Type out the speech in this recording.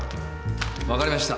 分かりました。